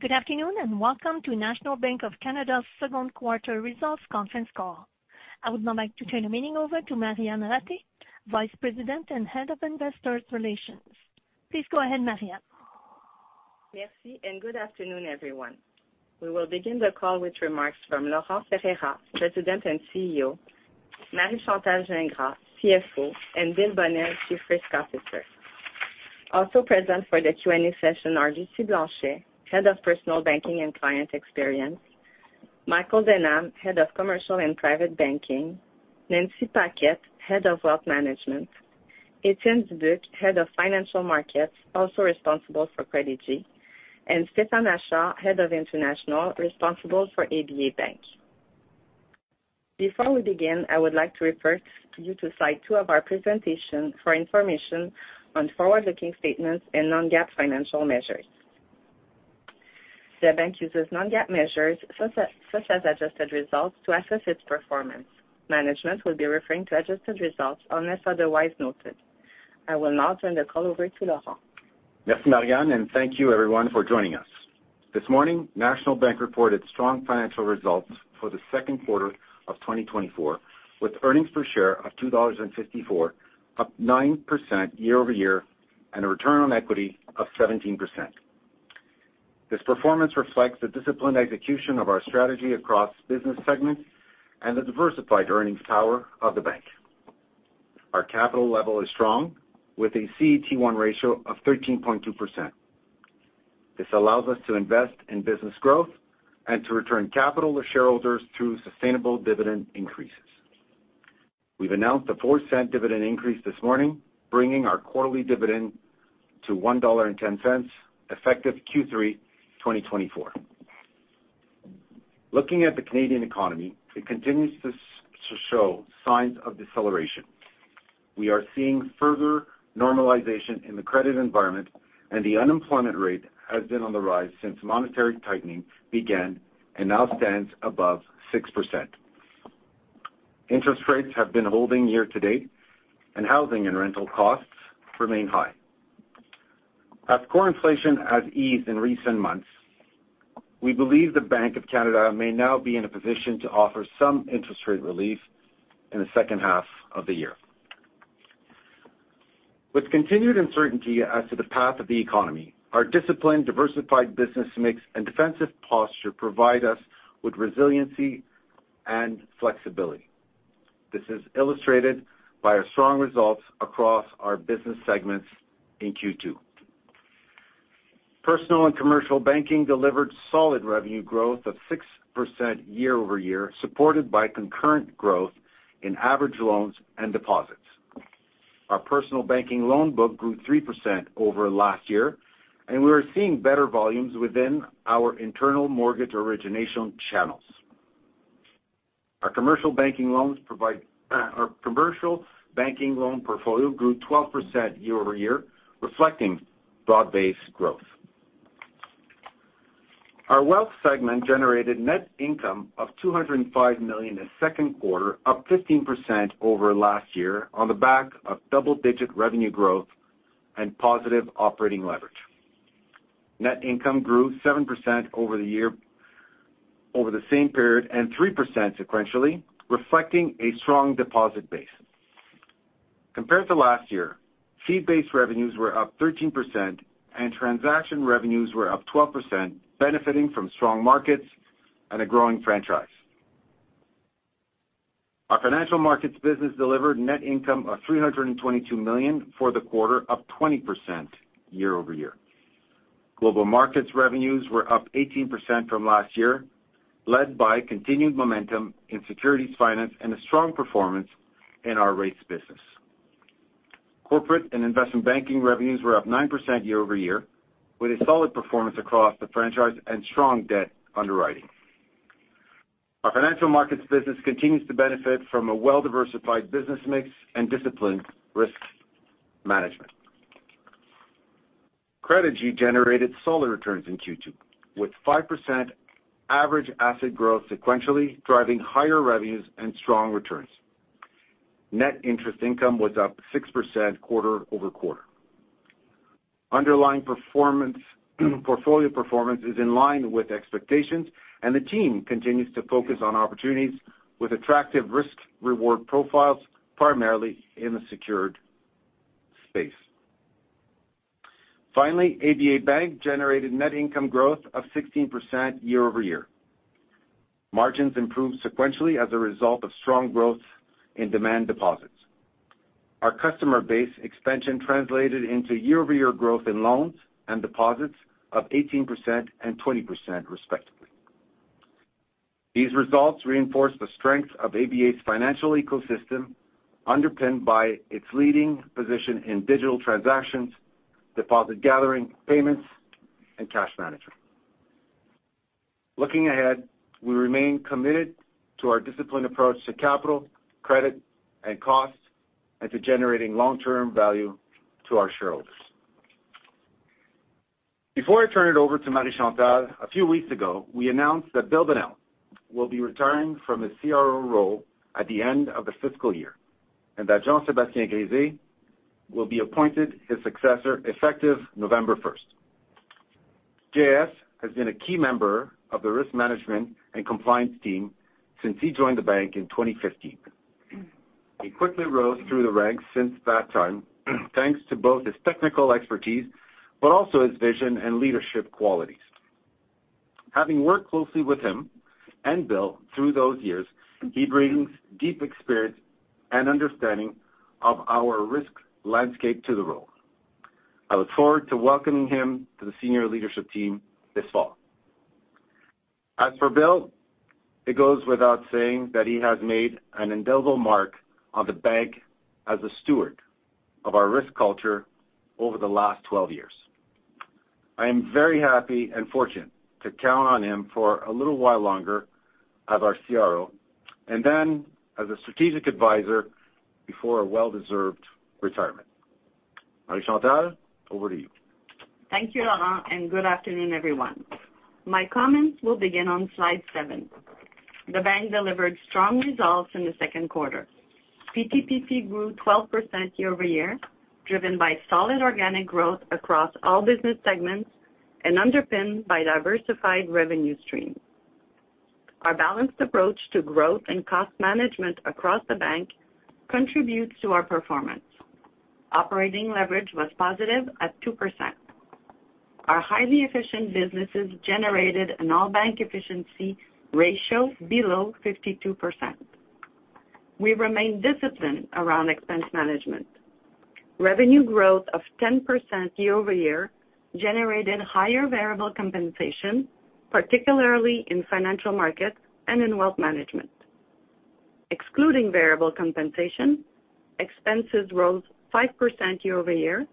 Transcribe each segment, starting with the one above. Good afternoon, and welcome to National Bank of Canada's second quarter results conference call. I would now like to turn the meeting over to Marianne Ratté, Vice-President and Head of Investor Relations. Please go ahead, Marianne. Merci, and good afternoon, everyone. We will begin the call with remarks from Laurent Ferreira, President and CEO; Marie-Chantal Gingras, CFO; and Bill Bonnell, Chief Risk Officer. Also present for the Q&A session are Lucie Blanchet, Head of Personal Banking and Client Experience; Michael Denham, Head of Commercial and Private Banking; Nancy Paquette, Head of Wealth Management; Étienne Dubuc, Head of Financial Markets, also responsible for Credigy, and Stéphane Achard, Head of International, responsible for ABA Bank. Before we begin, I would like to refer you to slide two of our presentation for information on forward-looking statements and non-GAAP financial measures. The bank uses non-GAAP measures, such as adjusted results to assess its performance. Management will be referring to adjusted results unless otherwise noted. I will now turn the call over to Laurent. Merci, Marianne, and thank you everyone for joining us. This morning, National Bank reported strong financial results for the second quarter of 2024, with earnings per share of 2.54 dollars, up 9% year-over-year, and a return on equity of 17%. This performance reflects the disciplined execution of our strategy across business segments and the diversified earnings power of the bank. Our capital level is strong, with a CET1 ratio of 13.2%. This allows us to invest in business growth and to return capital to shareholders through sustainable dividend increases. We've announced a 4 cent dividend increase this morning, bringing our quarterly dividend to 1.10 dollar, effective Q3 2024. Looking at the Canadian economy, it continues to show signs of deceleration. We are seeing further normalization in the credit environment, and the unemployment rate has been on the rise since monetary tightening began and now stands above 6%. Interest rates have been holding year to date, and housing and rental costs remain high. As core inflation has eased in recent months, we believe the Bank of Canada may now be in a position to offer some interest rate relief in the second half of the year. With continued uncertainty as to the path of the economy, our disciplined, diversified business mix and defensive posture provide us with resiliency and flexibility. This is illustrated by our strong results across our business segments in Q2. Personal and commercial banking delivered solid revenue growth of 6% year over year, supported by concurrent growth in average loans and deposits. Our personal banking loan book grew 3% over last year, and we are seeing better volumes within our internal mortgage origination channels. Our commercial banking loan portfolio grew 12% year-over-year, reflecting broad-based growth. Our wealth segment generated net income of 205 million in the second quarter, up 15% over last year on the back of double-digit revenue growth and positive operating leverage. Net income grew 7% over the year, over the same period, and 3% sequentially, reflecting a strong deposit base. Compared to last year, fee-based revenues were up 13%, and transaction revenues were up 12%, benefiting from strong markets and a growing franchise. Our financial markets business delivered net income of 322 million for the quarter, up 20% year-over-year. Global markets revenues were up 18% from last year, led by continued momentum in securities finance and a strong performance in our rates business. Corporate and investment banking revenues were up 9% year over year, with a solid performance across the franchise and strong debt underwriting. Our financial markets business continues to benefit from a well-diversified business mix and disciplined risk management. Credigy generated solid returns in Q2, with 5% average asset growth sequentially, driving higher revenues and strong returns. Net interest income was up 6% quarter over quarter. Underlying performance, portfolio performance is in line with expectations, and the team continues to focus on opportunities with attractive risk-reward profiles, primarily in the secured space. Finally, ABA Bank generated net income growth of 16% year over year. Margins improved sequentially as a result of strong growth in demand deposits. Our customer base expansion translated into year-over-year growth in loans and deposits of 18% and 20%, respectively. These results reinforce the strength of ABA's financial ecosystem, underpinned by its leading position in digital transactions, deposit gathering, payments, and cash management. Looking ahead, we remain committed to our disciplined approach to capital, credit, and costs, and to generating long-term value to our shareholders. Before I turn it over to Marie-Chantal, a few weeks ago, we announced that Bill Bonnell will be retiring from his CRO role at the end of the fiscal year, and that Jean-Sébastien Grisé will be appointed his successor effective November first. JS has been a key member of the risk management and compliance team since he joined the bank in 2015. He quickly rose through the ranks since that time, thanks to both his technical expertise, but also his vision and leadership qualities. Having worked closely with him and Bill through those years, he brings deep experience and understanding of our risk landscape to the role. I look forward to welcoming him to the senior leadership team this fall. As for Bill, it goes without saying that he has made an indelible mark on the bank as a steward of our risk culture over the last 12 years. I am very happy and fortunate to count on him for a little while longer as our CRO, and then as a strategic advisor before a well-deserved retirement. Marie-Chantal, over to you. Thank you, Laurent, and good afternoon, everyone. My comments will begin on slide 7. The bank delivered strong results in the second quarter. PTPP grew 12% year-over-year, driven by solid organic growth across all business segments and underpinned by diversified revenue streams. Our balanced approach to growth and cost management across the bank contributes to our performance. Operating leverage was positive at 2%. Our highly efficient businesses generated an all-bank efficiency ratio below 52%. We remain disciplined around expense management. Revenue growth of 10% year-over-year generated higher variable compensation, particularly in financial markets and in wealth management. Excluding variable compensation, expenses rose 5% year-over-year,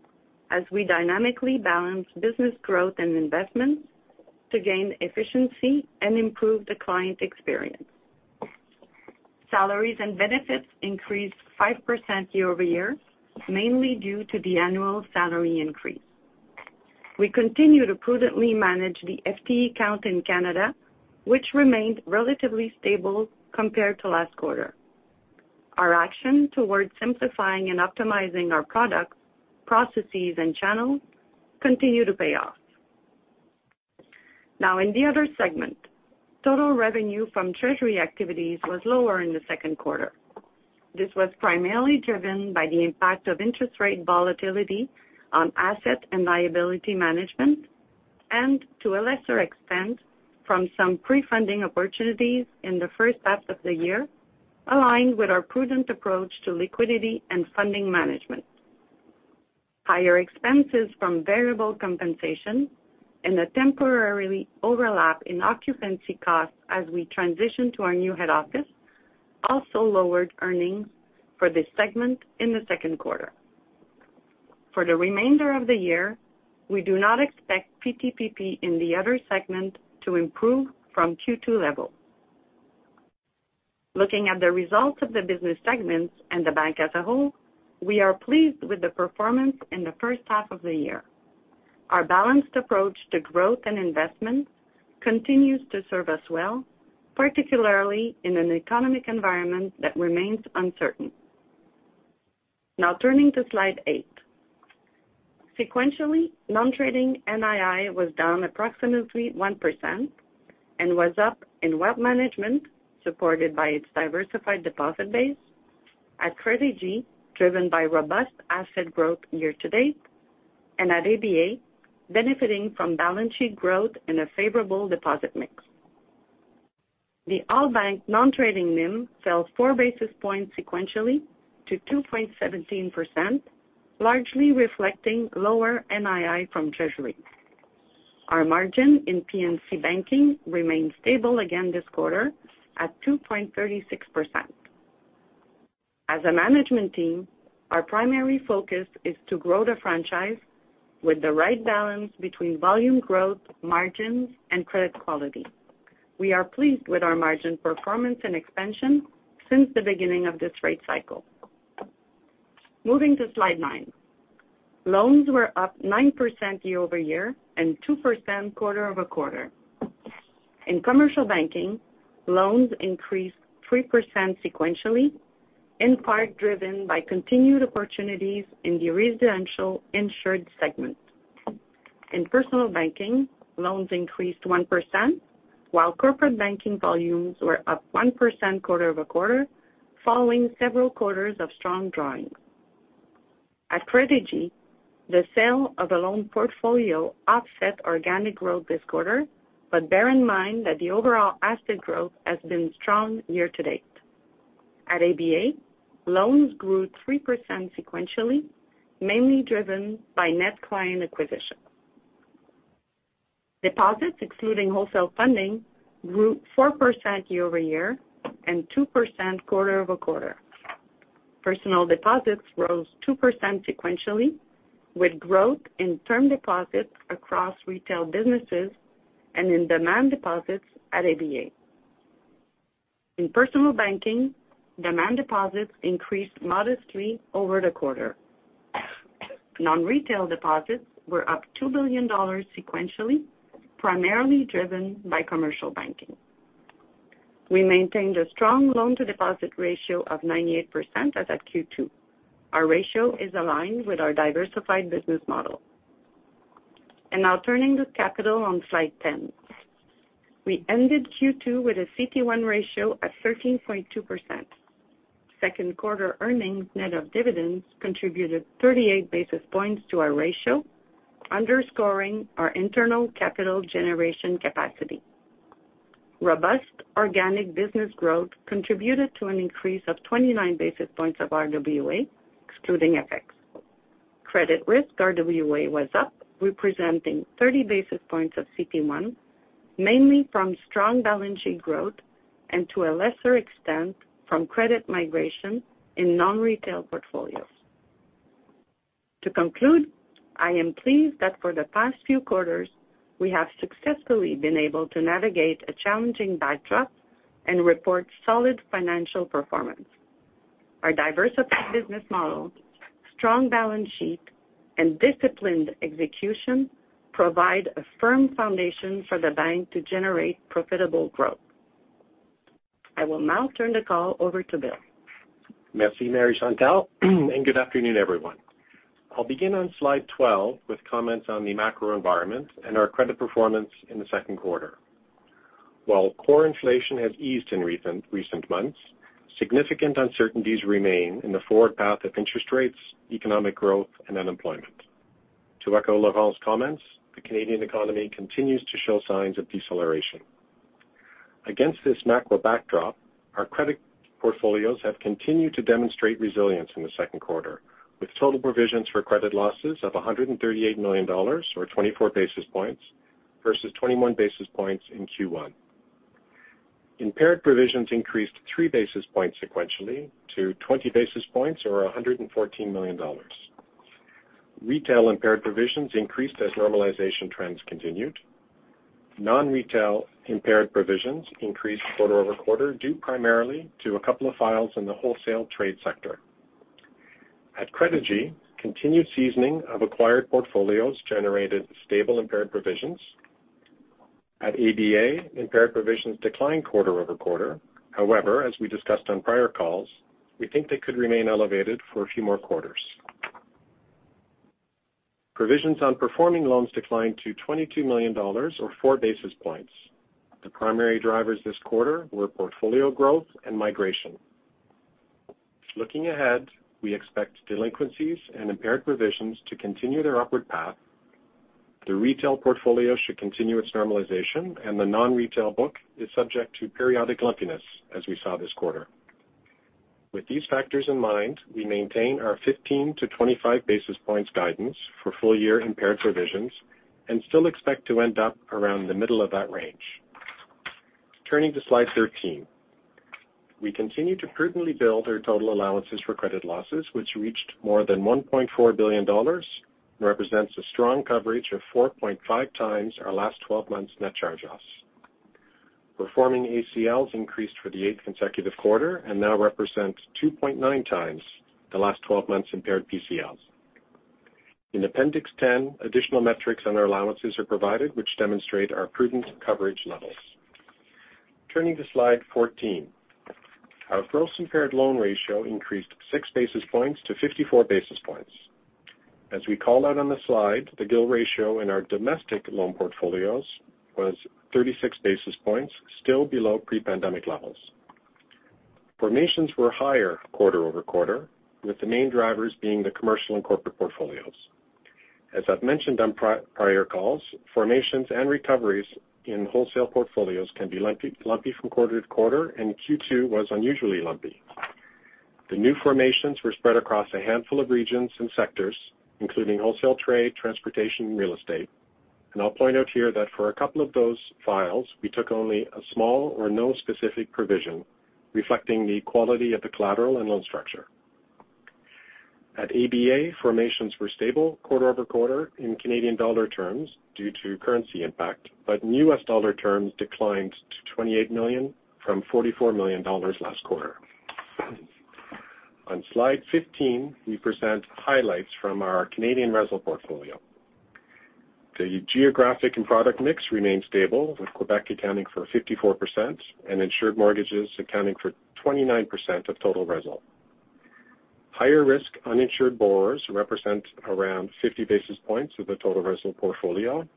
as we dynamically balanced business growth and investments to gain efficiency and improve the client experience. Salaries and benefits increased 5% year-over-year, mainly due to the annual salary increase. We continue to prudently manage the FTE count in Canada, which remained relatively stable compared to last quarter. Our actions towards simplifying and optimizing our products, processes, and channels continue to pay off. Now, in the other segment, total revenue from treasury activities was lower in the second quarter. This was primarily driven by the impact of interest rate volatility on asset and liability management, and to a lesser extent, from some pre-funding opportunities in the first half of the year, aligned with our prudent approach to liquidity and funding management. Higher expenses from variable compensation and a temporary overlap in occupancy costs as we transition to our new head office also lowered earnings for this segment in the second quarter. For the remainder of the year, we do not expect PTPP in the other segment to improve from Q2 levels. Looking at the results of the business segments and the bank as a whole, we are pleased with the performance in the first half of the year. Our balanced approach to growth and investment continues to serve us well, particularly in an economic environment that remains uncertain. Now turning to slide 8. Sequentially, non-trading NII was down approximately 1% and was up in wealth management, supported by its diversified deposit base, at Credigy, driven by robust asset growth year to date, and at ABA, benefiting from balance sheet growth and a favorable deposit mix. The all-bank non-trading NIM fell 4 basis points sequentially to 2.17%, largely reflecting lower NII from treasury. Our margin in PNC Banking remained stable again this quarter at 2.36%. As a management team, our primary focus is to grow the franchise with the right balance between volume growth, margins, and credit quality. We are pleased with our margin performance and expansion since the beginning of this rate cycle. Moving to slide 9. Loans were up 9% year-over-year and 2% quarter-over-quarter. In commercial banking, loans increased 3% sequentially, in part driven by continued opportunities in the residential insured segment. In personal banking, loans increased 1%, while corporate banking volumes were up 1% quarter-over-quarter, following several quarters of strong drawing. At Credigy, the sale of a loan portfolio offset organic growth this quarter, but bear in mind that the overall asset growth has been strong year to date. At ABA, loans grew 3% sequentially, mainly driven by net client acquisition. Deposits, excluding wholesale funding, grew 4% year-over-year and 2% quarter-over-quarter. Personal deposits rose 2% sequentially, with growth in term deposits across retail businesses and in demand deposits at ABA. In personal banking, demand deposits increased modestly over the quarter. Non-retail deposits were up 2 billion dollars sequentially, primarily driven by commercial banking. We maintained a strong loan-to-deposit ratio of 98% as at Q2. Our ratio is aligned with our diversified business model. Now turning to capital on slide 10. We ended Q2 with a CET1 ratio of 13.2%. Second quarter earnings, net of dividends, contributed 38 basis points to our ratio, underscoring our internal capital generation capacity. Robust organic business growth contributed to an increase of 29 basis points of RWA, excluding FX. Credit risk RWA was up, representing 30 basis points of CET1, mainly from strong balance sheet growth and, to a lesser extent, from credit migration in non-retail portfolios. To conclude, I am pleased that for the past few quarters, we have successfully been able to navigate a challenging backdrop and report solid financial performance. Our diversified business model, strong balance sheet, and disciplined execution provide a firm foundation for the bank to generate profitable growth. I will now turn the call over to Bill. Merci, Marie-Chantal, and good afternoon, everyone. I'll begin on slide 12 with comments on the macro environment and our credit performance in the second quarter. While core inflation has eased in recent months, significant uncertainties remain in the forward path of interest rates, economic growth, and unemployment. To echo Laurent's comments, the Canadian economy continues to show signs of deceleration. Against this macro backdrop, our credit portfolios have continued to demonstrate resilience in the second quarter, with total provisions for credit losses of 138 million dollars, or 24 basis points, versus 21 basis points in Q1. Impaired provisions increased 3 basis points sequentially to 20 basis points or 114 million dollars. Retail impaired provisions increased as normalization trends continued. Non-retail impaired provisions increased quarter-over-quarter, due primarily to a couple of files in the wholesale trade sector. At Credigy, continued seasoning of acquired portfolios generated stable impaired provisions. At ABA, impaired provisions declined quarter-over-quarter. However, as we discussed on prior calls, we think they could remain elevated for a few more quarters. Provisions on performing loans declined to 22 million dollars, or four basis points. The primary drivers this quarter were portfolio growth and migration. Looking ahead, we expect delinquencies and impaired provisions to continue their upward path. The retail portfolio should continue its normalization, and the non-retail book is subject to periodic lumpiness, as we saw this quarter. With these factors in mind, we maintain our 15-25 basis points guidance for full-year impaired provisions and still expect to end up around the middle of that range. Turning to slide 13. We continue to prudently build our total allowances for credit losses, which reached more than 1.4 billion dollars and represents a strong coverage of 4.5 times our last 12 months net chargeoffs. Performing ACLs increased for the eighth consecutive quarter and now represent 2.9 times the last 12 months impaired PCLs. In Appendix 10, additional metrics on our allowances are provided, which demonstrate our prudent coverage levels. Turning to slide 14. Our gross impaired loan ratio increased 6 basis points to 54 basis points. As we called out on the slide, the GIL ratio in our domestic loan portfolios was 36 basis points, still below pre-pandemic levels. Formations were higher quarter-over-quarter, with the main drivers being the commercial and corporate portfolios. As I've mentioned on prior calls, formations and recoveries in wholesale portfolios can be lumpy from quarter to quarter, and Q2 was unusually lumpy. The new formations were spread across a handful of regions and sectors, including wholesale trade, transportation, and real estate. I'll point out here that for a couple of those files, we took only a small or no specific provision, reflecting the quality of the collateral and loan structure. At ABA, formations were stable quarter over quarter in Canadian dollar terms due to currency impact, but in US dollar terms, declined to $28 million from $44 million last quarter. On slide 15, we present highlights from our Canadian resi portfolio. The geographic and product mix remained stable, with Quebec accounting for 54% and insured mortgages accounting for 29% of total resi. Higher-risk uninsured borrowers represent around 50 basis points of the total resi portfolio.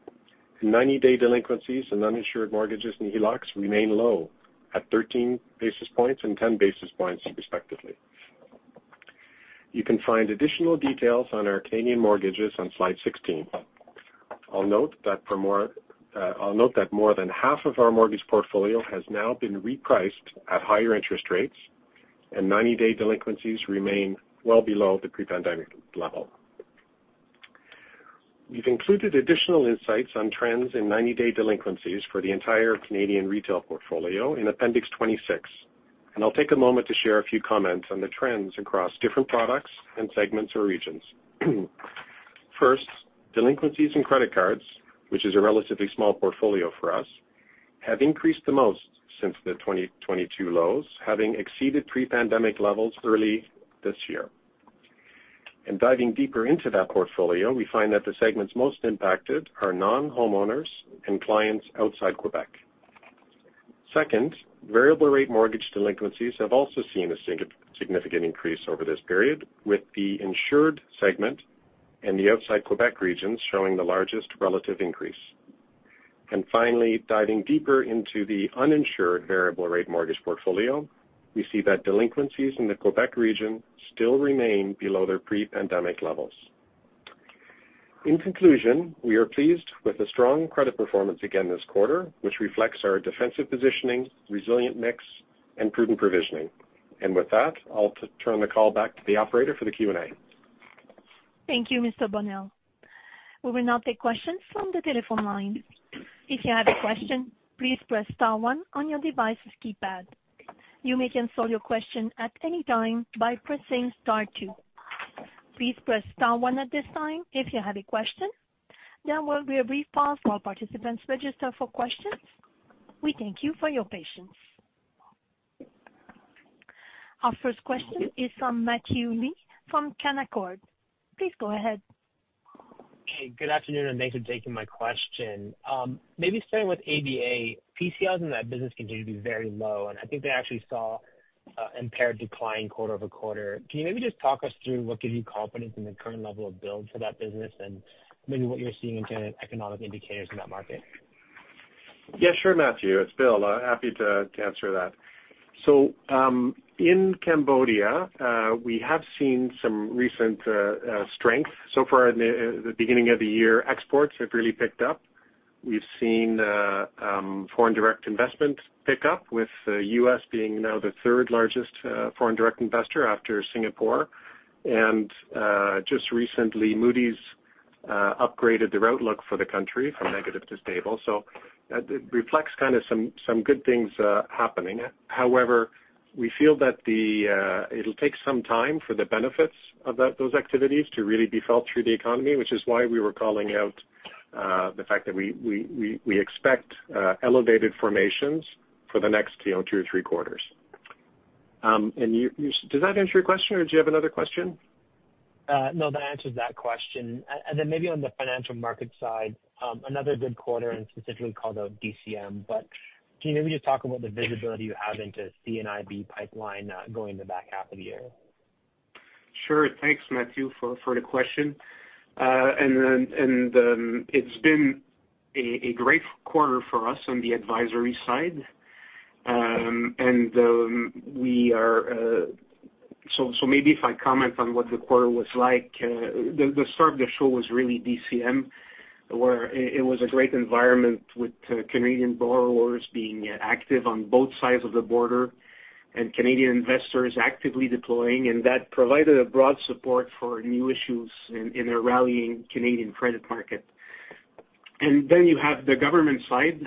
Ninety-day delinquencies and uninsured mortgages in HELOCs remain low at 13 basis points and 10 basis points, respectively. You can find additional details on our Canadian mortgages on slide 16. I'll note that more than half of our mortgage portfolio has now been repriced at higher interest rates, and ninety-day delinquencies remain well below the pre-pandemic level. We've included additional insights on trends in ninety-day delinquencies for the entire Canadian retail portfolio in Appendix 26, and I'll take a moment to share a few comments on the trends across different products and segments or regions. First, delinquencies in credit cards, which is a relatively small portfolio for us, have increased the most since the 2022 lows, having exceeded pre-pandemic levels early this year.... And diving deeper into that portfolio, we find that the segments most impacted are non-homeowners and clients outside Quebec. Second, variable rate mortgage delinquencies have also seen a significant increase over this period, with the insured segment and the outside Quebec regions showing the largest relative increase. And finally, diving deeper into the uninsured variable rate mortgage portfolio, we see that delinquencies in the Quebec region still remain below their pre-pandemic levels. In conclusion, we are pleased with the strong credit performance again this quarter, which reflects our defensive positioning, resilient mix, and prudent provisioning. And with that, I'll turn the call back to the operator for the Q&A. Thank you, Mr. Bonnell. We will now take questions from the telephone line. If you have a question, please press star one on your device's keypad. You may cancel your question at any time by pressing star two. Please press star one at this time if you have a question. There will be a brief pause while participants register for questions. We thank you for your patience. Our first question is from Matthew Lee from Canaccord. Please go ahead. Hey, good afternoon, and thanks for taking my question. Maybe starting with ABA, PCLs in that business continue to be very low, and I think they actually saw impaired decline quarter over quarter. Can you maybe just talk us through what gives you confidence in the current level of build for that business, and maybe what you're seeing in terms of economic indicators in that market? Yeah, sure, Matthew, it's Bill. Happy to, to answer that. So, in Cambodia, we have seen some recent strength. So far in the beginning of the year, exports have really picked up. We've seen foreign direct investment pick up, with U.S. being now the third largest foreign direct investor after Singapore. And just recently, Moody's upgraded their outlook for the country from negative to stable. So that reflects kind of some good things happening. However, we feel that it'll take some time for the benefits of that, those activities to really be felt through the economy, which is why we were calling out the fact that we expect elevated formations for the next, you know, two or three quarters. And you, you... Does that answer your question, or do you have another question? No, that answers that question. And then maybe on the financial markets side, another good quarter, and specifically called out DCM. But can you maybe just talk about the visibility you have into C&IB pipeline, going to the back half of the year? Sure. Thanks, Matthew, for the question. It's been a great quarter for us on the advisory side. Maybe if I comment on what the quarter was like, the star of the show was really DCM, where it was a great environment with Canadian borrowers being active on both sides of the border and Canadian investors actively deploying, and that provided a broad support for new issues in a rallying Canadian credit market. And then you have the government side.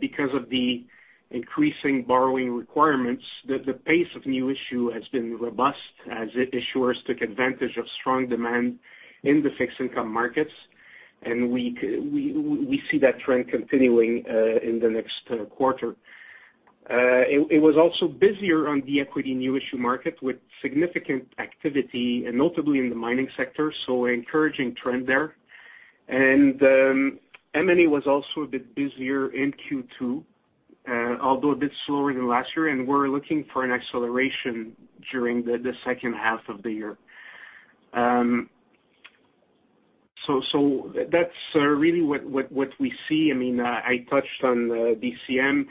Because of the increasing borrowing requirements, the pace of new issue has been robust as issuers took advantage of strong demand in the fixed income markets, and we see that trend continuing in the next quarter. It was also busier on the equity new issue market, with significant activity, and notably in the mining sector, so encouraging trend there. And M&A was also a bit busier in Q2, although a bit slower than last year, and we're looking for an acceleration during the second half of the year. So that's really what we see. I mean, I touched on DCM.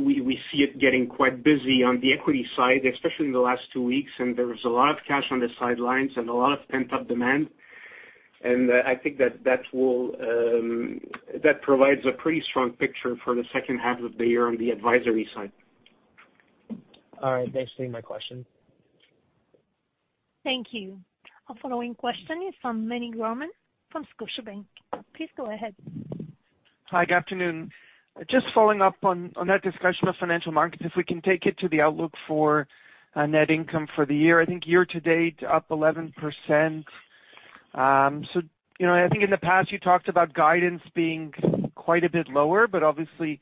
We see it getting quite busy on the equity side, especially in the last two weeks, and there was a lot of cash on the sidelines and a lot of pent-up demand. And I think that will provide a pretty strong picture for the second half of the year on the advisory side. All right. Thanks for taking my question. Thank you. Our following question is from Meny Grauman from Scotiabank. Please go ahead. Hi, good afternoon. Just following up on, on that discussion of Financial Markets, if we can take it to the outlook for net income for the year. I think year to date, up 11%. So, you know, I think in the past you talked about guidance being quite a bit lower, but obviously,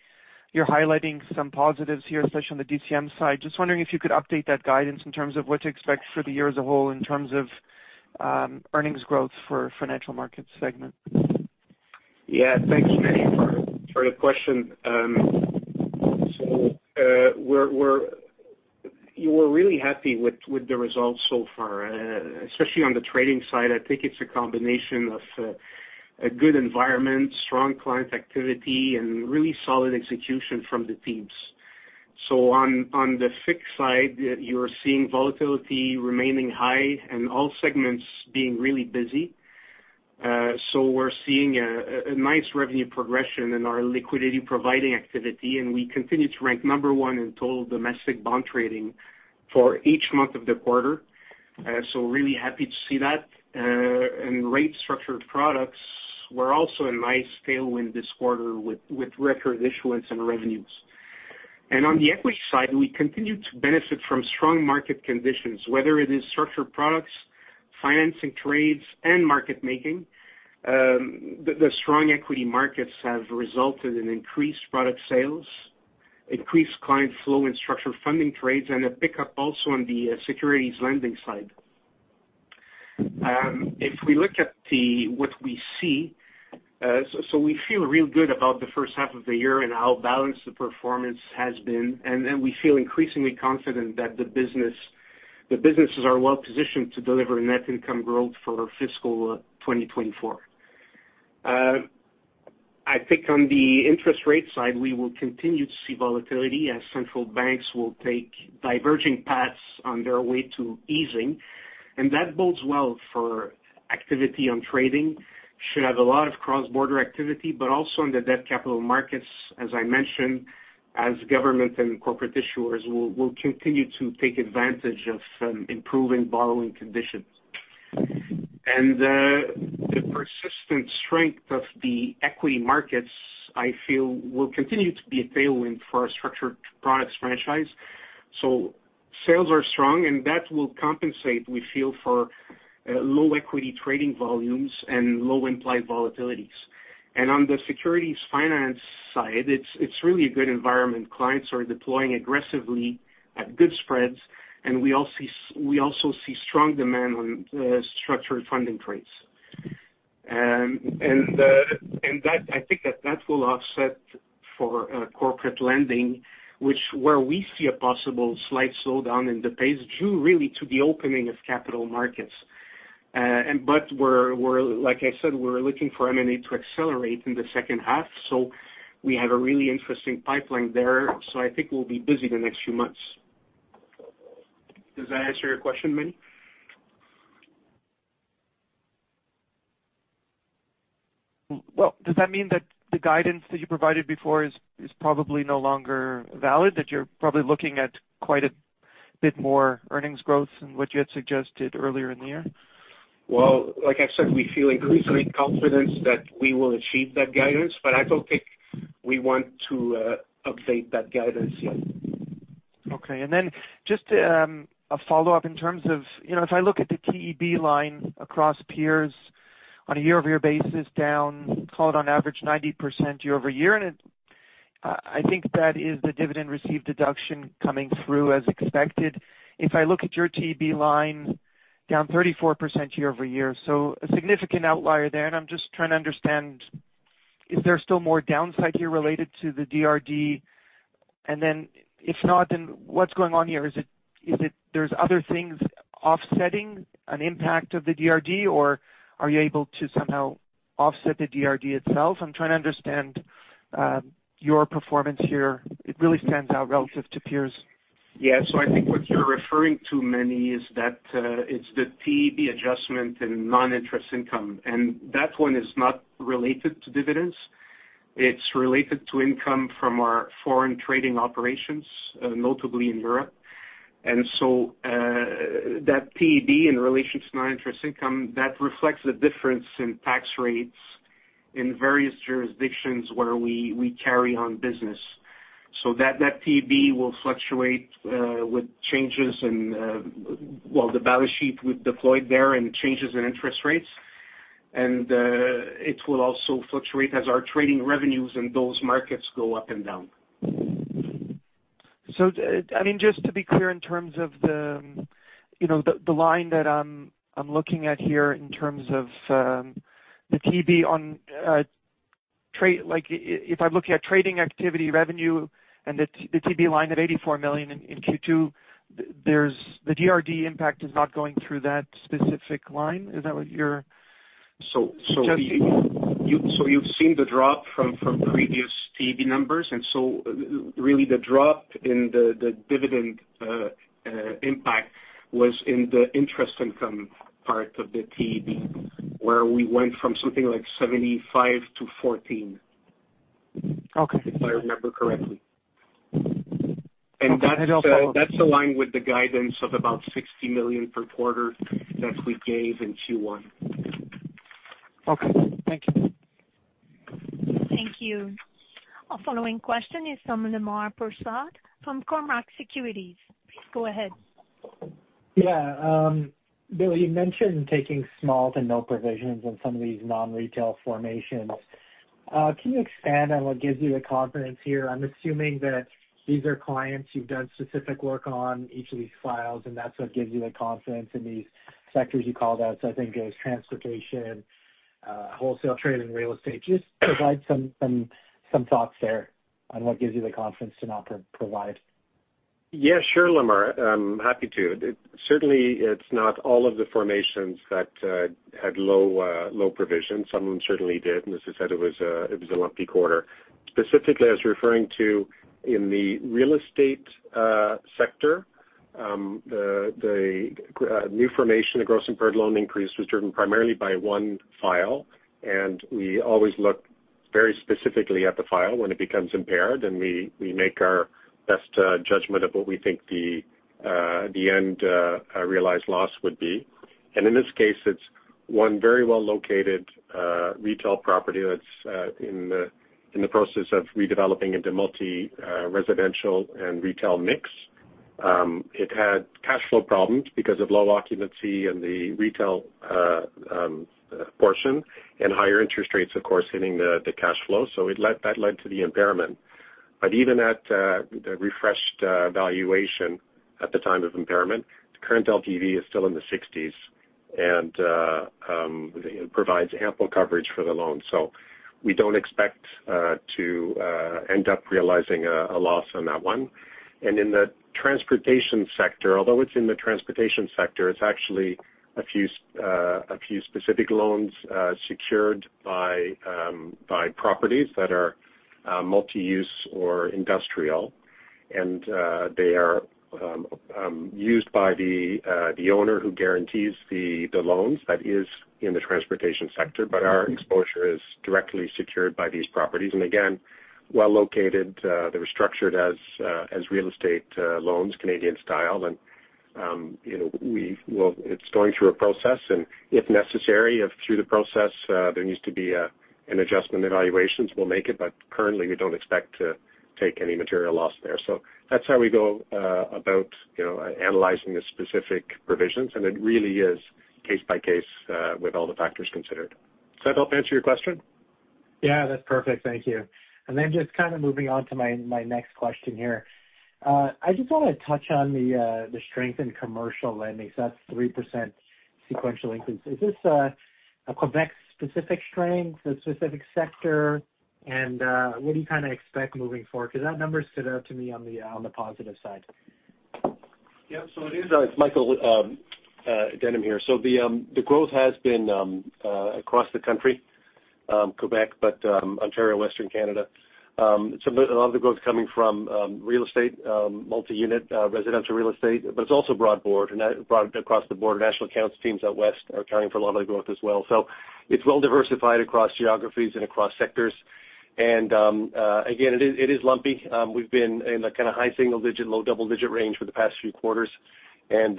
you're highlighting some positives here, especially on the DCM side. Just wondering if you could update that guidance in terms of what to expect for the year as a whole, in terms of earnings growth for Financial Markets segment. Yeah. Thanks, Meny, for the question. So, we're really happy with the results so far, especially on the trading side. I think it's a combination of a good environment, strong client activity, and really solid execution from the teams. So on the fixed side, you're seeing volatility remaining high and all segments being really busy. So we're seeing a nice revenue progression in our liquidity-providing activity, and we continue to rank number 1 in total domestic bond trading for each month of the quarter. So really happy to see that. And rate structured products were also a nice tailwind this quarter, with record issuance and revenues. And on the equity side, we continue to benefit from strong market conditions, whether it is structured products, financing trades and market making. The strong equity markets have resulted in increased product sales, increased client flow and structured funding trades, and a pickup also on the securities lending side. If we look at what we see, so we feel real good about the first half of the year and how balanced the performance has been, and then we feel increasingly confident that the business- the businesses are well positioned to deliver net income growth for fiscal 2024. I think on the interest rate side, we will continue to see volatility as central banks will take diverging paths on their way to easing, and that bodes well for activity on trading, should have a lot of cross-border activity, but also in the debt capital markets, as I mentioned, as government and corporate issuers will continue to take advantage of improving borrowing conditions. The persistent strength of the equity markets, I feel, will continue to be a tailwind for our structured products franchise. So sales are strong, and that will compensate, we feel, for low equity trading volumes and low implied volatilities. And on the securities finance side, it's really a good environment. Clients are deploying aggressively at good spreads, and we all see we also see strong demand on structured funding trades. And that I think that that will offset for corporate lending, which where we see a possible slight slowdown in the pace, due really to the opening of capital markets. And but we're, we're like I said, we're looking for M&A to accelerate in the second half, so we have a really interesting pipeline there. So I think we'll be busy the next few months. Does that answer your question, Meny? Well, does that mean that the guidance that you provided before is probably no longer valid, that you're probably looking at quite a bit more earnings growth than what you had suggested earlier in the year? Well, like I said, we feel increasingly confident that we will achieve that guidance, but I don't think we want to update that guidance yet. Okay. And then just, a follow-up in terms of, you know, if I look at the TEB line across peers on a year-over-year basis, down, call it on average, 90% year-over-year, and it... I think that is the dividend received deduction coming through as expected. If I look at your TEB line, down 34% year-over-year, so a significant outlier there, and I'm just trying to understand, is there still more downside here related to the DRD? And then, if not, then what's going on here? Is it, is it there's other things offsetting an impact of the DRD, or are you able to somehow offset the DRD itself? I'm trying to understand, your performance here. It really stands out relative to peers. Yeah. So I think what you're referring to, Manny, is that it's the TEB adjustment in non-interest income, and that one is not related to dividends. It's related to income from our foreign trading operations, notably in Europe. And so, that TEB in relation to non-interest income, that reflects the difference in tax rates in various jurisdictions where we carry on business. So that TEB will fluctuate with changes in, well, the balance sheet we've deployed there and changes in interest rates. And it will also fluctuate as our trading revenues in those markets go up and down. So, I mean, just to be clear, in terms of the, you know, the line that I'm looking at here in terms of the TEB on trade, like if I'm looking at trading activity revenue and the TEB line at 84 million in Q2, there's the DRD impact is not going through that specific line. Is that what you're suggesting? So you've seen the drop from previous TEB numbers, and so really, the drop in the dividend impact was in the interest income part of the TEB, where we went from something like 75 to 14. Okay. If I remember correctly. Okay. That's aligned with the guidance of about 60 million per quarter that we gave in Q1. Okay, thank you. Thank you. Our following question is from Lemar Persaud from Cormark Securities. Please go ahead. Yeah, Bill, you mentioned taking small to no provisions on some of these non-retail formations. Can you expand on what gives you the confidence here? I'm assuming that these are clients you've done specific work on each of these files, and that's what gives you the confidence in these sectors you called out. So I think it was transportation, wholesale trade, and real estate. Just provide some thoughts there on what gives you the confidence to not provide. Yeah, sure, Lemar. I'm happy to. It certainly is not all of the formations that had low provision. Some of them certainly did, and as I said, it was a lumpy quarter. Specifically, I was referring to in the real estate sector, the new formation, the gross impaired loan increase, was driven primarily by one file. And we always look very specifically at the file when it becomes impaired, and we make our best judgment of what we think the end realized loss would be. And in this case, it's-... one very well-located retail property that's in the process of redeveloping into multi-residential and retail mix. It had cash flow problems because of low occupancy in the retail portion, and higher interest rates, of course, hitting the cash flow. So that led to the impairment. But even at the refreshed valuation at the time of impairment, the current LTV is still in the 60s, and it provides ample coverage for the loan. So we don't expect to end up realizing a loss on that one. And in the transportation sector, although it's in the transportation sector, it's actually a few specific loans secured by properties that are multi-use or industrial. And they are used by the owner who guarantees the loans that is in the transportation sector. But our exposure is directly secured by these properties, and again, well located. They were structured as real estate loans, Canadian style. And you know, it's going through a process, and if necessary, if through the process, there needs to be an adjustment in evaluations, we'll make it, but currently we don't expect to take any material loss there. So that's how we go about you know, analyzing the specific provisions, and it really is case by case with all the factors considered. Does that help answer your question? Yeah, that's perfect. Thank you. And then just kind of moving on to my next question here. I just want to touch on the strength in commercial lending. So that's 3% sequential increase. Is this a Quebec-specific strength, a specific sector? And what do you kind of expect moving forward? Because that number stood out to me on the positive side. Yeah. So it is, it's Michael Denham here. So the growth has been across the country, Quebec, but Ontario, Western Canada. So a lot of the growth coming from real estate, multi-unit residential real estate, but it's also broad-based, and that's broad across the board. National accounts teams out west are accounting for a lot of the growth as well. So it's well diversified across geographies and across sectors. And again, it is, it is lumpy. We've been in the kind of high single digit, low double digit range for the past few quarters. And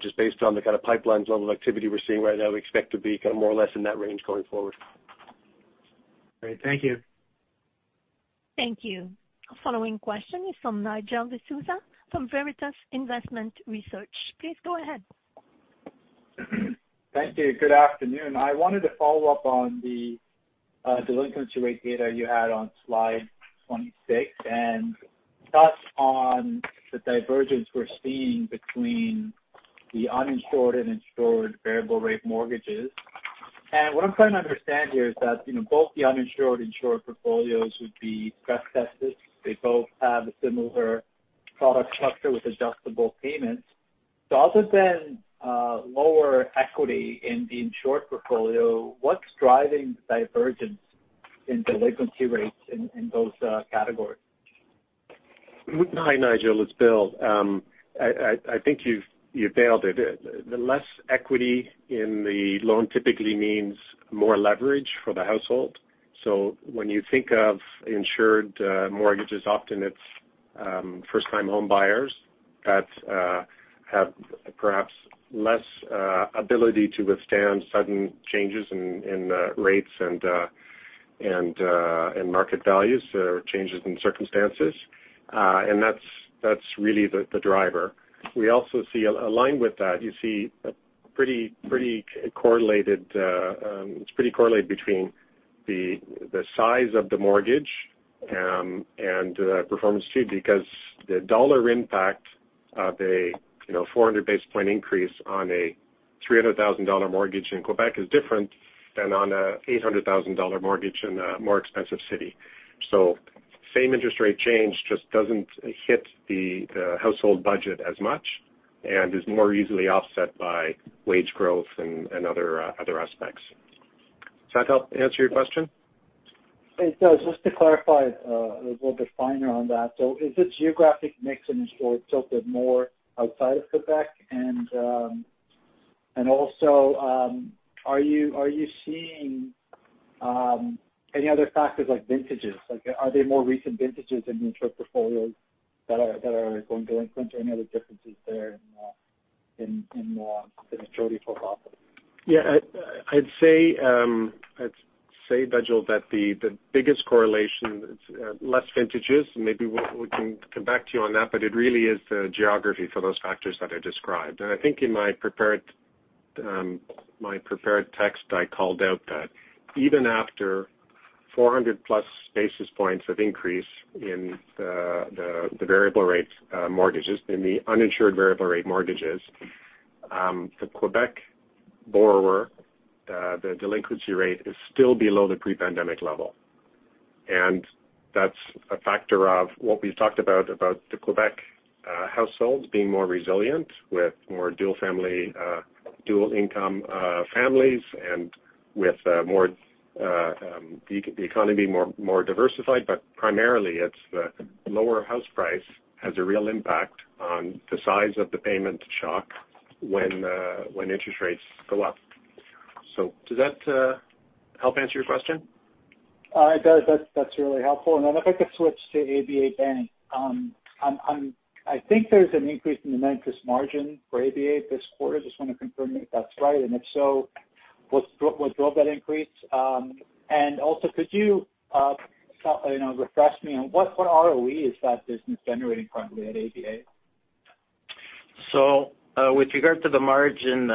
just based on the kind of pipelines level of activity we're seeing right now, we expect to be kind of more or less in that range going forward. Great. Thank you. Thank you. The following question is from Nigel D'Souza from Veritas Investment Research. Please go ahead. Thank you. Good afternoon. I wanted to follow up on the delinquency rate data you had on slide 26, and thoughts on the divergence we're seeing between the uninsured and insured variable rate mortgages. What I'm trying to understand here is that, you know, both the uninsured, insured portfolios would be stress tested. They both have a similar product structure with adjustable payments. So other than lower equity in the insured portfolio, what's driving the divergence in delinquency rates in those categories? Hi, Nigel, it's Bill. I think you've nailed it. The less equity in the loan typically means more leverage for the household. So when you think of insured mortgages, often it's first-time home buyers that have perhaps less ability to withstand sudden changes in rates and market values or changes in circumstances. And that's really the driver. We also see aligned with that, you see a pretty correlated—it's pretty correlated between the size of the mortgage and performance too, because the dollar impact of a, you know, 400 basis point increase on a 300,000 dollar mortgage in Quebec is different than on a 800,000 dollar mortgage in a more expensive city. So same interest rate change just doesn't hit the household budget as much and is more easily offset by wage growth and other aspects. Does that help answer your question? It does. Just to clarify, a little bit finer on that. So is the geographic mix in insured tilted more outside of Quebec? And, and also, are you seeing any other factors like vintages? Like, are there more recent vintages in the insured portfolios that are going delinquent? Any other differences there in the majority profile? Yeah. I'd say, Nigel, that the biggest correlation, it's less vintages. Maybe we can come back to you on that, but it really is the geography for those factors that I described. And I think in my prepared text, I called out that. Even after 400+ basis points of increase in the variable rate mortgages, in the uninsured variable rate mortgages, the Quebec borrower, the delinquency rate is still below the pre-pandemic level. And that's a factor of what we've talked about, about the Quebec households being more resilient with more dual-income families and with a more diversified economy, but primarily it's the lower house price has a real impact on the size of the payment shock when interest rates go up. So does that help answer your question?... All right, that's really helpful. Then if I could switch to ABA Bank. I think there's an increase in the net interest margin for ABA this quarter. Just want to confirm if that's right, and if so, what drove that increase? And also, could you, you know, refresh me on what ROE is that business generating currently at ABA? So, with regard to the margin,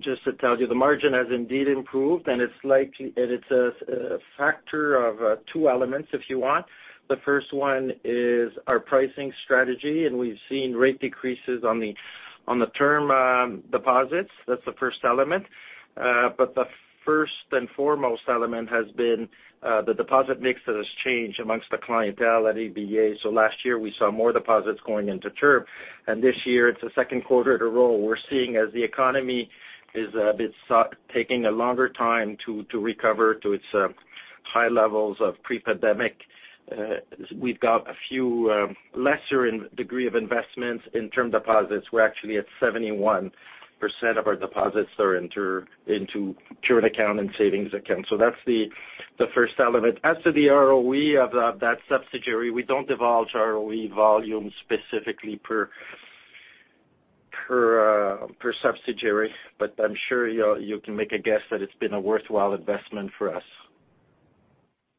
just to tell you, the margin has indeed improved, and it's a factor of two elements, if you want. The first one is our pricing strategy, and we've seen rate decreases on the term deposits. That's the first element. But the first and foremost element has been the deposit mix that has changed among the clientele at ABA. So last year, we saw more deposits going into term, and this year, it's the second quarter in a row. We're seeing as the economy is taking a longer time to recover to its high levels of pre-pandemic, we've got a few lesser in degree of investments in term deposits. We're actually at 71% of our deposits are into current account and savings accounts. So that's the first element. As to the ROE of that subsidiary, we don't divulge ROE volumes specifically per subsidiary, but I'm sure you can make a guess that it's been a worthwhile investment for us.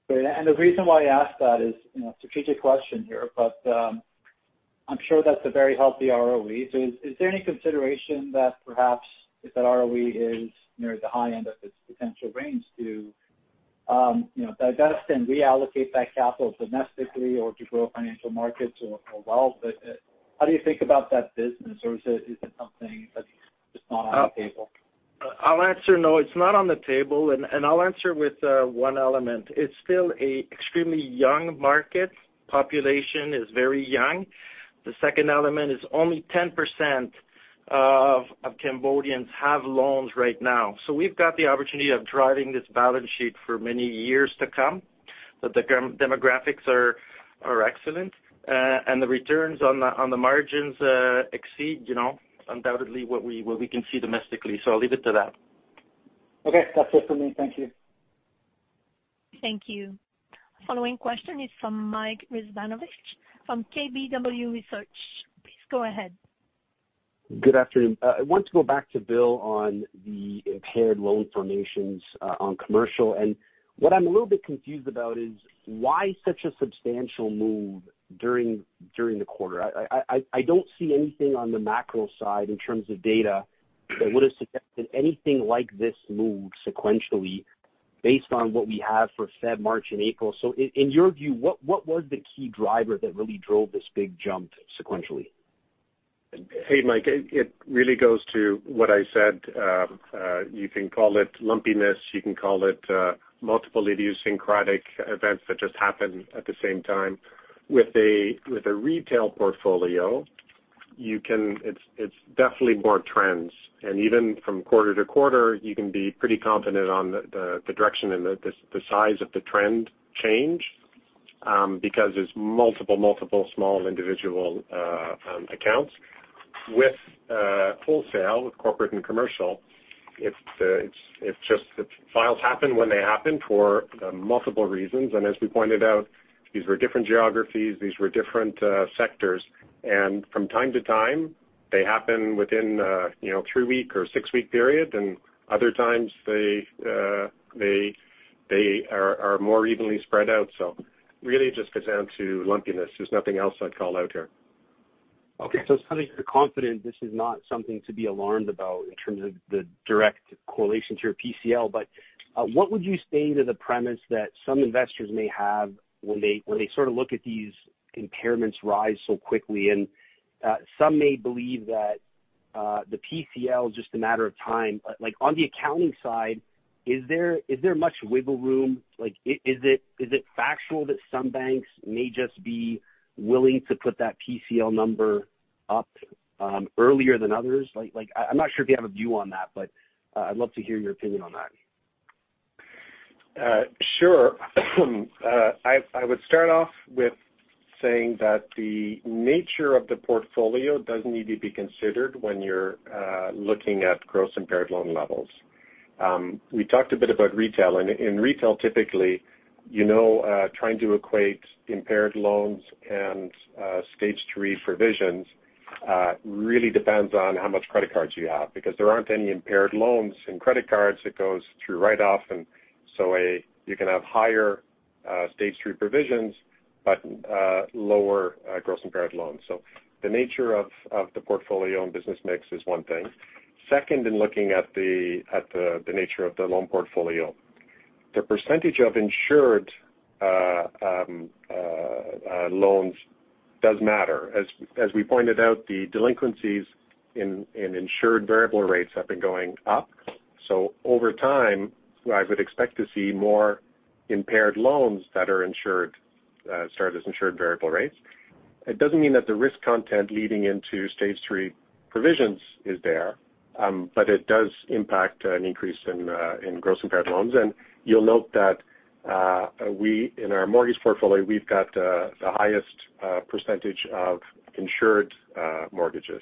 Great. And the reason why I ask that is, you know, strategic question here, but I'm sure that's a very healthy ROE. So is there any consideration that perhaps if that ROE is near the high end of its potential range to, you know, divest and reallocate that capital domestically or to grow financial markets or wealth? How do you think about that business, or is it something that's just not on the table? I'll answer, no, it's not on the table, and I'll answer with one element. It's still an extremely young market. Population is very young. The second element is only 10% of Cambodians have loans right now. So we've got the opportunity of driving this balance sheet for many years to come. But the demographics are excellent, and the returns on the margins exceed, you know, undoubtedly what we can see domestically. So I'll leave it to that. Okay. That's it for me. Thank you. Thank you. Following question is from Mike Rizvanovic from KBW Research. Please go ahead. Good afternoon. I want to go back to Bill on the impaired loan formations on commercial. And what I'm a little bit confused about is why such a substantial move during the quarter? I don't see anything on the macro side in terms of data that would have suggested anything like this move sequentially based on what we have for Feb, March, and April. So in your view, what was the key driver that really drove this big jump sequentially? Hey, Mike. It really goes to what I said. You can call it lumpiness. You can call it multiple idiosyncratic events that just happen at the same time. With a retail portfolio, you can, it's definitely more trends. Even from quarter to quarter, you can be pretty confident on the direction and the size of the trend change, because it's multiple small individual accounts. With wholesale, with corporate and commercial, it's just that files happen when they happen for multiple reasons. As we pointed out, these were different geographies, these were different sectors. From time to time, they happen within, you know, three-week or six-week period, and other times they are more evenly spread out. Really it just gets down to lumpiness. There's nothing else I'd call out here. Okay. So it sounds like you're confident this is not something to be alarmed about in terms of the direct correlation to your PCL. But what would you say to the premise that some investors may have when they sort of look at these impairments rise so quickly, and some may believe that the PCL is just a matter of time? Like, on the accounting side, is there much wiggle room? Is it factual that some banks may just be willing to put that PCL number up earlier than others? Like, I'm not sure if you have a view on that, but I'd love to hear your opinion on that. Sure. I would start off with saying that the nature of the portfolio does need to be considered when you're looking at gross impaired loan levels. We talked a bit about retail, and in retail, typically, you know, trying to equate impaired loans and Stage 3 provisions really depends on how much credit cards you have, because there aren't any impaired loans in credit cards. It goes through write-off, and so you can have higher Stage 3 provisions, but lower gross impaired loans. So the nature of the portfolio and business mix is one thing. Second, in looking at the nature of the loan portfolio, the percentage of insured loans does matter. As we pointed out, the delinquencies in insured variable rates have been going up. So over time, I would expect to see more impaired loans that are insured, sorry, as insured variable rates. It doesn't mean that the risk content leading into Stage 3 provisions is there, but it does impact an increase in in gross impaired loans. And you'll note that, we in our mortgage portfolio, we've got the highest percentage of insured mortgages.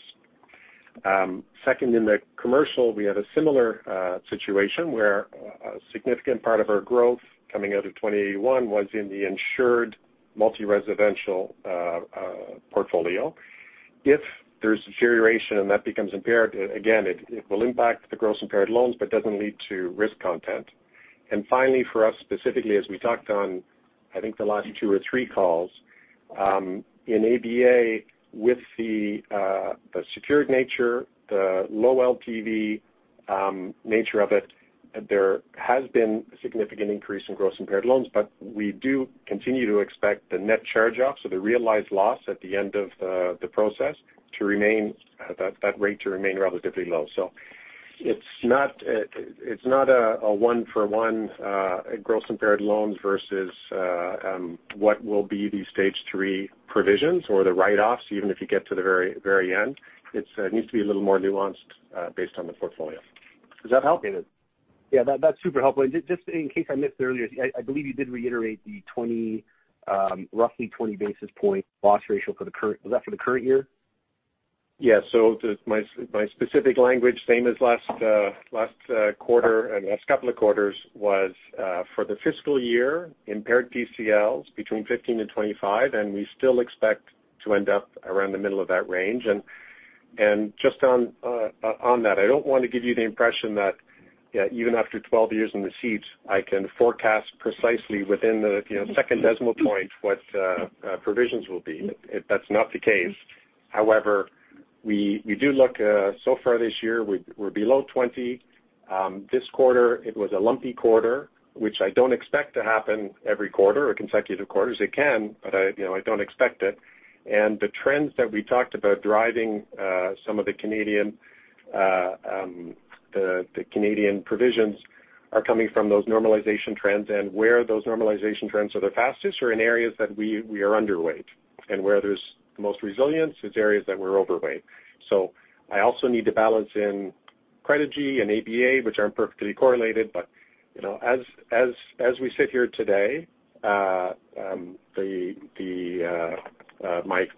Second, in the commercial, we had a similar situation where a significant part of our growth coming out of 2021 was in the insured multi-residential portfolio. If there's deterioration and that becomes impaired, again, it will impact the gross impaired loans, but doesn't lead to risk content. And finally, for us, specifically, as we talked on, I think, the last two or three calls, in ABA, with the secured nature, the low LTV nature of it, there has been a significant increase in gross impaired loans, but we do continue to expect the net charge-offs or the realized loss at the end of the process to remain, that rate to remain relatively low. So it's not, it's not a one for one, gross impaired loans versus, what will be the stage three provisions or the write-offs, even if you get to the very, very end. It's needs to be a little more nuanced, based on the portfolio. Does that help? Yeah, that's super helpful. And just in case I missed earlier, I believe you did reiterate the roughly 20 basis point loss ratio for the current-- Was that for the current year? Yeah. So, my specific language, same as last quarter and last couple of quarters, was for the fiscal year, impaired PCLs between 15 and 25, and we still expect to end up around the middle of that range. And just on that, I don't want to give you the impression that, yeah, even after 12 years in the seats, I can forecast precisely within the, you know, second decimal point what provisions will be. That's not the case. However, we do look, so far this year, we're below 20. This quarter, it was a lumpy quarter, which I don't expect to happen every quarter or consecutive quarters. It can, but I, you know, I don't expect it. And the trends that we talked about driving some of the Canadian, the Canadian provisions are coming from those normalization trends. And where those normalization trends are the fastest are in areas that we are underweight, and where there's the most resilience, it's areas that we're overweight. So I also need to balance in Credigy and ABA, which aren't perfectly correlated, but you know, as we sit here today, my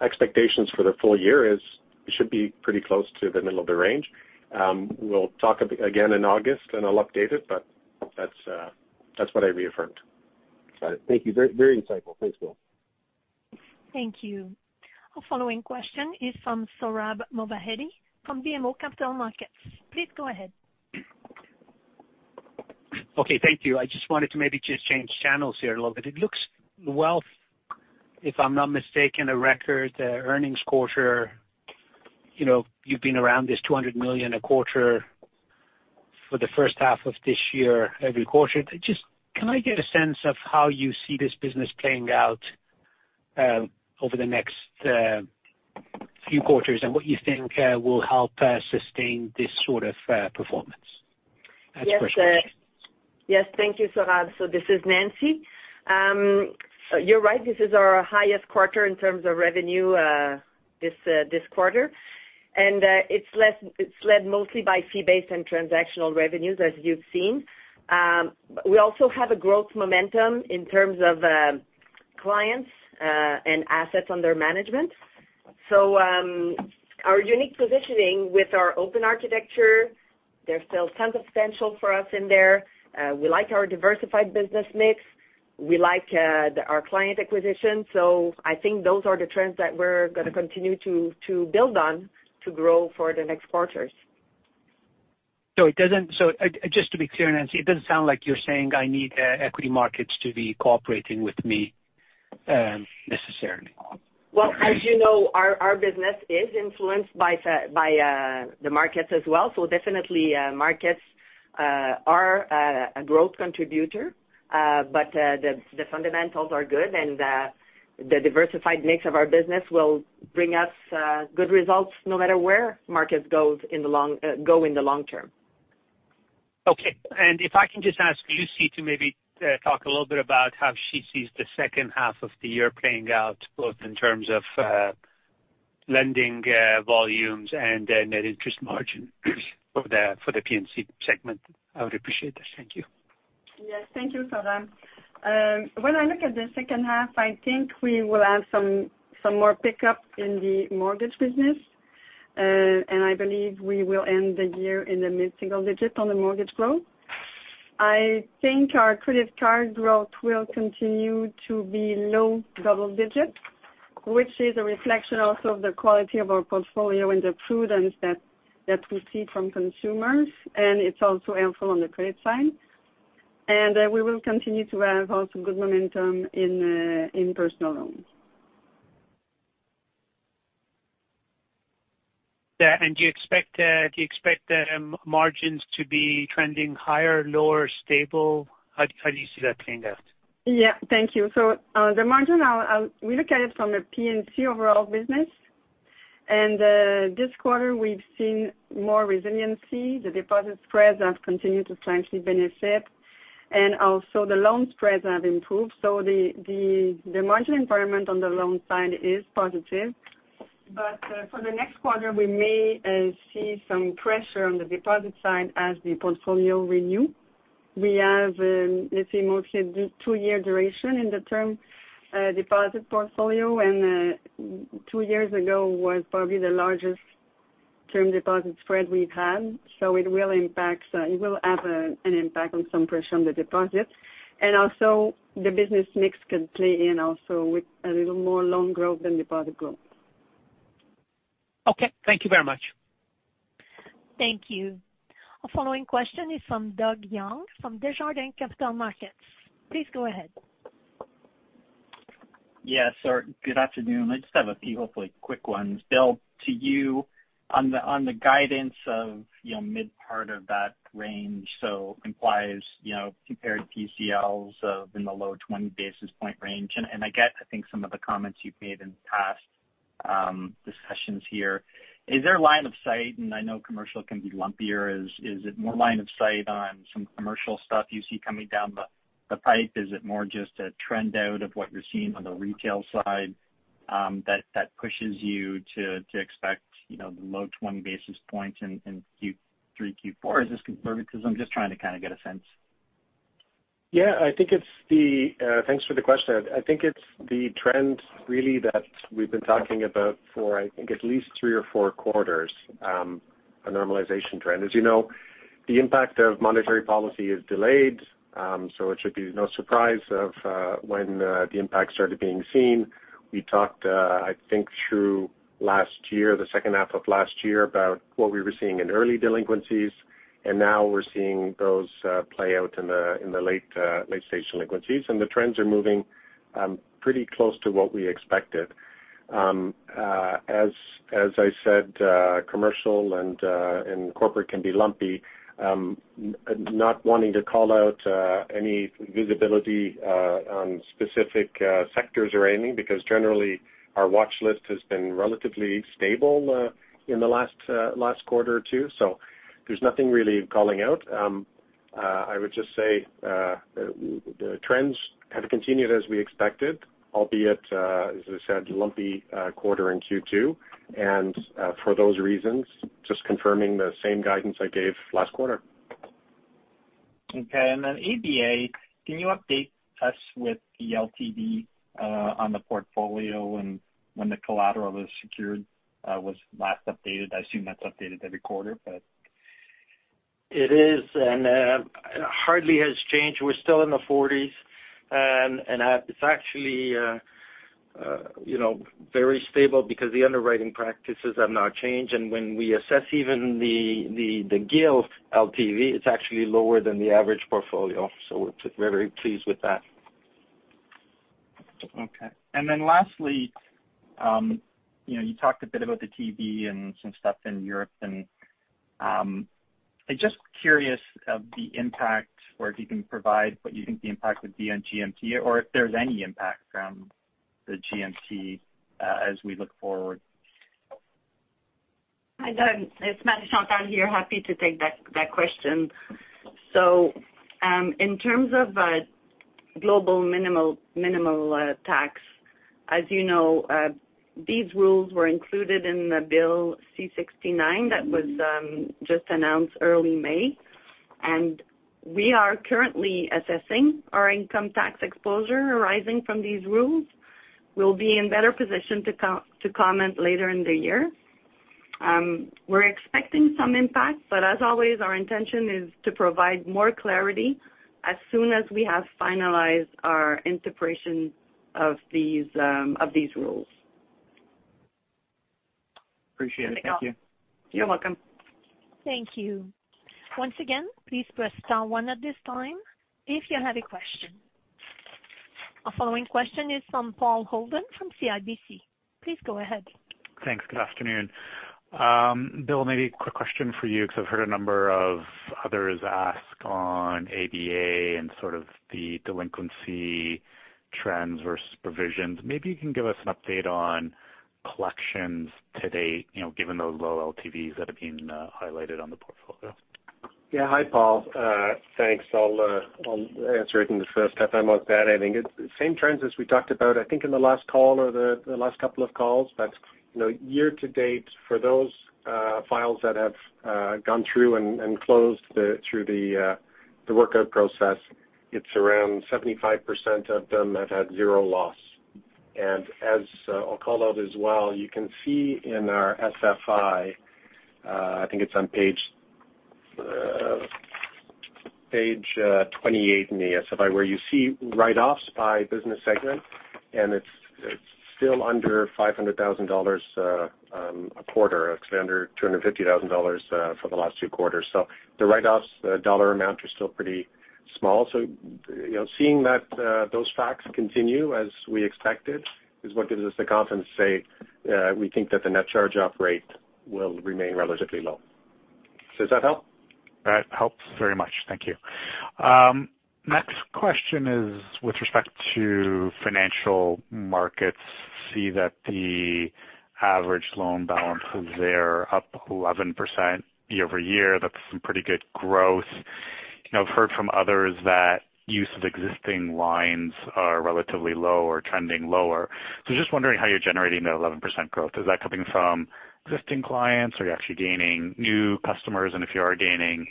expectations for the full year is it should be pretty close to the middle of the range. We'll talk again in August, and I'll update it, but that's that's what I reaffirmed. Got it. Thank you. Very, very insightful. Thanks, Bill. Thank you. Our following question is from Sohrab Movahedi from BMO Capital Markets. Please go ahead. Okay, thank you. I just wanted to maybe just change channels here a little bit. It looks like Wealth, if I'm not mistaken, a record earnings quarter. You know, you've been around this 200 million a quarter for the first half of this year, every quarter. Just, can I get a sense of how you see this business playing out over the next few quarters and what you think will help sustain this sort of performance? Yes, yes, thank you, Sohrab. So this is Nancy. You're right, this is our highest quarter in terms of revenue, this quarter. And, it's led mostly by fee-based and transactional revenues, as you've seen. We also have a growth momentum in terms of, clients, and assets under management. So, our unique positioning with our open architecture, there's still tons of potential for us in there. We like our diversified business mix. We like, our client acquisition. So I think those are the trends that we're gonna continue to, to build on, to grow for the next quarters. So just to be clear, Nancy, it doesn't sound like you're saying I need equity markets to be cooperating with me, necessarily. Well, as you know, our business is influenced by the markets as well. So definitely, markets are a growth contributor. But the fundamentals are good, and the diversified mix of our business will bring us good results no matter where markets goes in the long term. Okay. And if I can just ask Lucie to maybe talk a little bit about how she sees the second half of the year playing out, both in terms of lending volumes and net interest margin for the PNC segment. I would appreciate this. Thank you. Yes, thank you, Sohrab. When I look at the second half, I think we will have some more pickup in the mortgage business, and I believe we will end the year in the mid-single digit on the mortgage growth. I think our credit card growth will continue to be low double digits, which is a reflection also of the quality of our portfolio and the prudence that we see from consumers, and it's also helpful on the credit side. We will continue to have also good momentum in personal loans. Yeah, and do you expect margins to be trending higher, lower, stable? How do you see that playing out? Yeah. Thank you. So, the margin, I'll, we look at it from a PNC overall business, and, this quarter, we've seen more resiliency. The deposit spreads have continued to slightly benefit, and also the loan spreads have improved. So the margin environment on the loan side is positive. But, for the next quarter, we may see some pressure on the deposit side as the portfolio renew.... we have, let's say, mostly the 2-year duration in the term deposit portfolio, and 2 years ago was probably the largest term deposit spread we've had. So it will impact, it will have a, an impact on some pressure on the deposit. And also, the business mix can play in also with a little more loan growth than deposit growth. Okay, thank you very much. Thank you. Our following question is from Doug Young, from Desjardins Capital Markets. Please go ahead. Yes, sir. Good afternoon. I just have a few, hopefully quick ones. Bill, to you, on the, on the guidance of, you know, mid part of that range, so implies, you know, compared PCLs of in the low 20 basis point range. And I get, I think, some of the comments you've made in past discussions here. Is there a line of sight, and I know commercial can be lumpier, is it more line of sight on some commercial stuff you see coming down the pipe? Is it more just a trend out of what you're seeing on the retail side, that pushes you to expect, you know, the low 20 basis points in Q3, Q4? Is this conservative? Because I'm just trying to kind of get a sense. Yeah, I think it's the, thanks for the question. I think it's the trend really that we've been talking about for, I think, at least three or four quarters, a normalization trend. As you know, the impact of monetary policy is delayed, so it should be no surprise of when the impact started being seen. We talked, I think, through last year, the second half of last year, about what we were seeing in early delinquencies, and now we're seeing those play out in the late-stage delinquencies. And the trends are moving pretty close to what we expected. As I said, commercial and corporate can be lumpy. Not wanting to call out any visibility on specific sectors or anything, because generally, our watch list has been relatively stable in the last quarter or two, so there's nothing really calling out. I would just say the trends have continued as we expected, albeit as I said, lumpy quarter in Q2. For those reasons, just confirming the same guidance I gave last quarter. Okay. And then ABA, can you update us with the LTV on the portfolio when the collateral is secured was last updated? I assume that's updated every quarter, but. It is, and hardly has changed. We're still in the forties, and it's actually, you know, very stable because the underwriting practices have not changed. And when we assess even the GIL LTV, it's actually lower than the average portfolio, so we're very pleased with that. Okay. And then lastly, you know, you talked a bit about the TEB and some stuff in Europe, and, I'm just curious of the impact or if you can provide what you think the impact would be on GMT, or if there's any impact from the GMT, as we look forward. Hi, Doug. It's Marie-Chantal here. Happy to take that question. So, in terms of global minimum tax, as you know, these rules were included in the Bill C-69 that was just announced early May. We are currently assessing our income tax exposure arising from these rules. We'll be in better position to comment later in the year. We're expecting some impact, but as always, our intention is to provide more clarity as soon as we have finalized our interpretation of these rules. Appreciate it. Thank you. You're welcome. Thank you. Once again, please press star one at this time if you have a question. Our following question is from Paul Holden from CIBC. Please go ahead. Thanks. Good afternoon. Bill, maybe a quick question for you, because I've heard a number of others ask on ABA and sort of the delinquency trends versus provisions. Maybe you can give us an update on collections to date, you know, given those low LTVs that have been highlighted on the portfolio. Yeah. Hi, Paul, thanks. I'll, I'll answer it in the first step. I'm okay. I think it's the same trends as we talked about, I think, in the last call or the last couple of calls. But, you know, year to date, for those files that have gone through and closed through the workout process, it's around 75% of them have had zero loss. And as I'll call out as well, you can see in our SFI, I think it's on page 28 in the SFI, where you see write-offs by business segment, and it's still under 500 thousand dollars a quarter. It's under 250 thousand dollars for the last two quarters. So the write-offs, the dollar amount, are still pretty small. You know, seeing that those facts continue as we expected is what gives us the confidence to say we think that the net charge off rate will remain relatively low. Does that help? That helps very much. Thank you. Next question is with respect to financial markets. See that the average loan balance is there, up 11% year-over-year. That's some pretty good growth. You know, I've heard from others that use of existing lines are relatively low or trending lower. So just wondering how you're generating that 11% growth. Is that coming from existing clients, or are you actually gaining new customers? And if you are gaining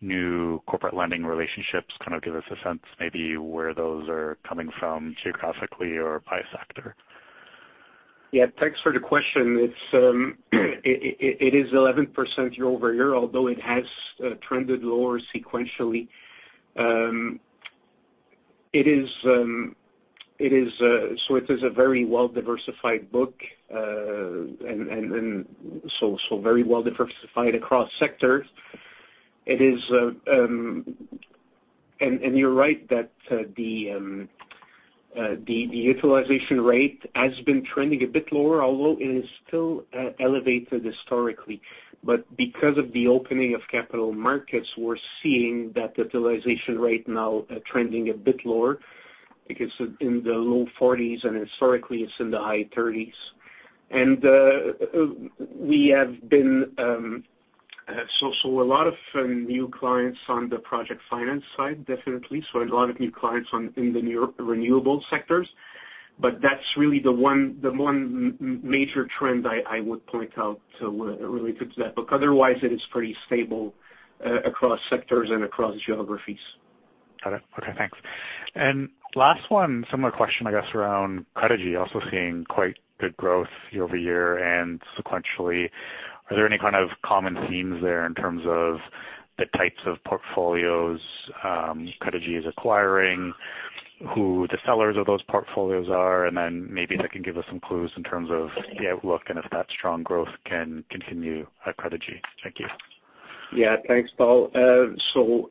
new corporate lending relationships, kind of give us a sense maybe where those are coming from geographically or by sector? Yeah, thanks for the question. It is 11% year-over-year, although it has trended lower sequentially. It is a very well-diversified book, and very well diversified across sectors. It is, and you're right that the utilization rate has been trending a bit lower, although it is still elevated historically. But because of the opening of capital markets, we're seeing that utilization rate now trending a bit lower, because in the low forties and historically it's in the high thirties. And we have been so a lot of new clients on the project finance side, definitely. So a lot of new clients in the new renewable sectors, but that's really the one major trend I would point out to, related to that. But otherwise, it is pretty stable across sectors and across geographies. Got it. Okay, thanks. And last one, similar question, I guess, around Credigy, also seeing quite good growth year-over-year and sequentially. Are there any kind of common themes there in terms of the types of portfolios, Credigy is acquiring? Who the sellers of those portfolios are, and then maybe that can give us some clues in terms of the outlook and if that strong growth can continue at Credigy. Thank you. Yeah, thanks, Paul. So,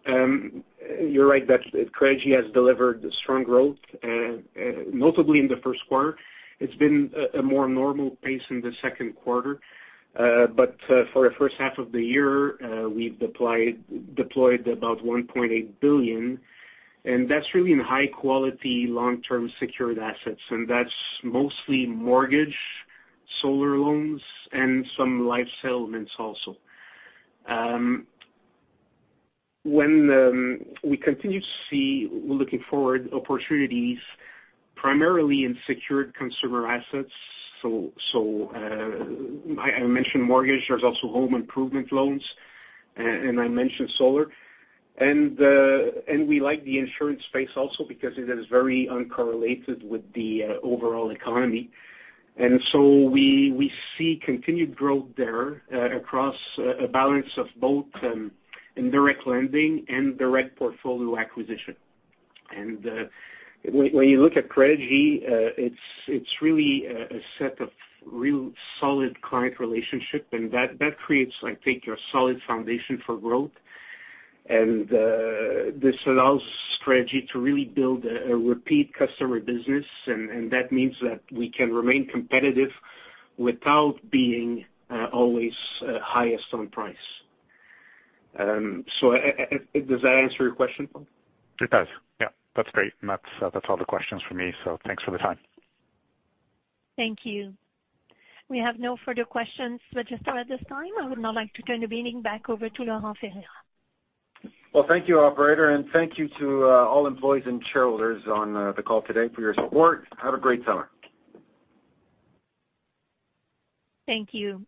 you're right that Credigy has delivered strong growth, notably in the first quarter. It's been a more normal pace in the second quarter. But, for the first half of the year, we've deployed about $1.8 billion, and that's really in high quality, long-term secured assets, and that's mostly mortgage, solar loans, and some life settlements also. We continue to see, looking forward, opportunities primarily in secured consumer assets. So, I mentioned mortgage, there's also home improvement loans, and I mentioned solar. And we like the insurance space also, because it is very uncorrelated with the overall economy. And so we see continued growth there, across a balance of both, indirect lending and direct portfolio acquisition. When you look at Credigy, it's really a set of real solid client relationship, and that creates, I think, a solid foundation for growth. This allows Credigy to really build a repeat customer business, and that means that we can remain competitive without being always highest on price. So does that answer your question, Paul? It does. Yeah, that's great. That's all the questions for me, so thanks for the time. Thank you. We have no further questions registered at this time. I would now like to turn the meeting back over to Laurent Ferreira. Well, thank you, operator, and thank you to, all employees and shareholders on, the call today for your support. Have a great summer. Thank you.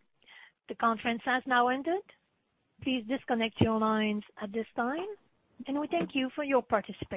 The conference has now ended. Please disconnect your lines at this time, and we thank you for your participation.